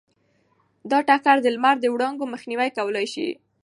دا ټکر د لمر د وړانګو مخنیوی کولی شي.